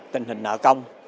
tình hình nợ công